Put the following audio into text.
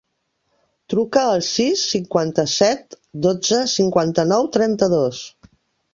Truca al sis, cinquanta-set, dotze, cinquanta-nou, trenta-dos.